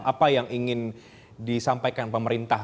apa yang ingin disampaikan pemerintah